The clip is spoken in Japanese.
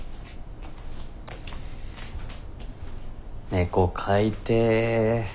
猫飼いてえ。